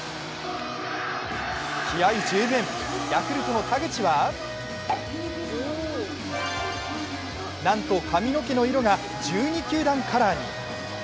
気合い十分、ヤクルトの田口はなんと髪の毛が１２球団カラーに。